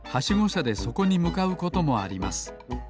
しゃでそこにむかうこともあります。